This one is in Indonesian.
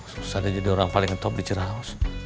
susah deh jadi orang paling ngetop di cerah haus